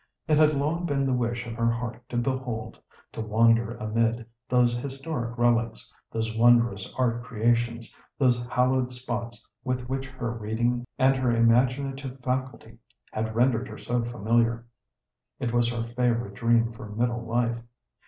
It had long been the wish of her heart to behold, to wander amid, those historic relics, those wondrous art creations, those hallowed spots with which her reading and her imaginative faculty had rendered her so familiar. It was her favourite dream for middle life.